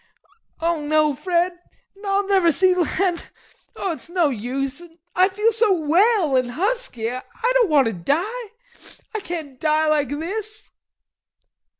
"Oh, no, Fred, I'll never see land.... Oh, it's no use. An' I feel so well an' husky.... I don't want to die. I can't die like this."